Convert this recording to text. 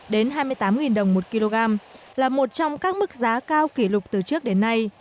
đến hai mươi tám đồng một kg là một trong các mức giá cao kỷ lục từ trước đến nay